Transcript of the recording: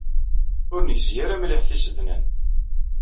Ur negzi ara mliḥ tisednan.